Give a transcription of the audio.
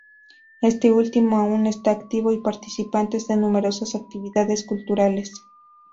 Este último aún está activo y participantes de numerosas actividades culturales.